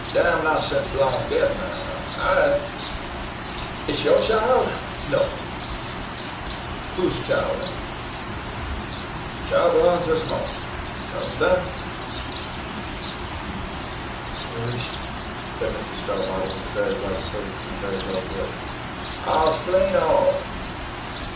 Damn nonshense b'long dead man. I'sh your chile? no! whose chile then? Chile b'long to 'ts mother. Unnerstan?" "Where is she?" said Mrs. Starbottle, with a very white face and a very low voice. "I'll splain all.